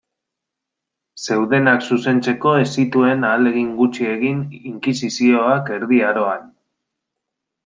Zeudenak zuzentzeko ez zituen ahalegin gutxi egin inkisizioak Erdi Aroan.